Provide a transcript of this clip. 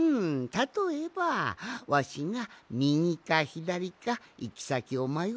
たとえばわしがみぎかひだりかいきさきをまよったとする。